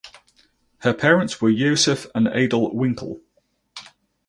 Her parents were Josef and Adele Winkle.